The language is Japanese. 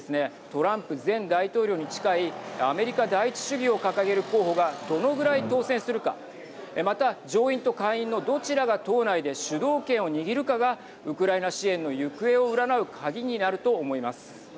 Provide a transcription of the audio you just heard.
トランプ前大統領に近いアメリカ第一主義を掲げる候補がどのくらい当選するか、また上院と下院のどちらが党内で主導権を握るかがウクライナ支援の行方を占う鍵になると思います。